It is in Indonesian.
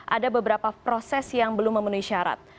ada beberapa proses yang belum memenuhi syarat